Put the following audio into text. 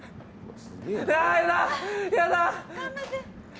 やだ！